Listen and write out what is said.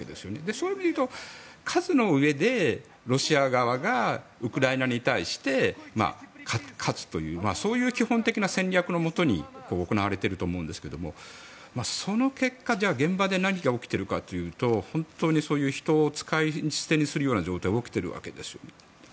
そういう意味でいうと数の上でロシア側がウクライナに対して勝つというそういう基本的な戦略の下に行われていると思うんですがその結果、現場で何が起きているかというと本当に人を使い捨てにするような状態が起きているわけです。